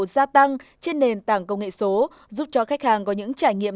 gia tăng trên nền tảng công nghệ số giúp cho khách hàng có những trải nghiệm